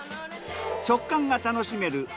食感が楽しめる